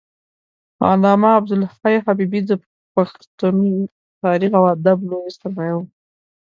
علامه عبدالحی حبیبي د پښتون تاریخ او ادب لوی سرمایه و